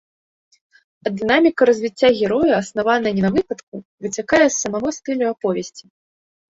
А дынаміка развіцця героя, аснаваная не на выпадку, выцякае з самога стылю аповесці.